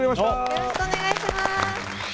よろしくお願いします。